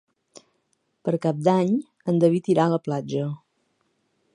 Per Cap d'Any en David irà a la platja.